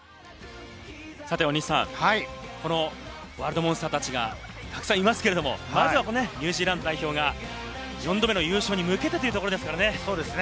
ワールドモンスターたちがたくさんいますけれども、まずはニュージーランド代表が４度目の優勝に向けてというところでした。